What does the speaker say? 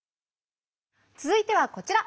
続いてはこちら！